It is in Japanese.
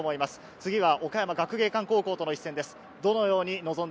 次は岡山学芸館高校との一戦です。